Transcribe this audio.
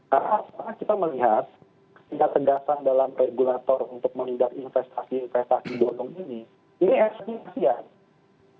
karena kita melihat tingkat tegasan dalam regulator untuk meningkat investasi digital itu sangat terdekat